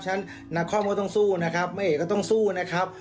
ฉะนั้นนักคอมก็ต้องสู้นะครับแม่เอกก็ต้องสู้นะครับ